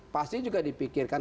pasti juga dipikirkan